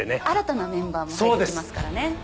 新たなメンバーも入ってますからね。